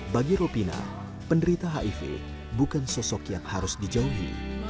bagi ropina penderita hiv bukan sosok yang harus dijauhi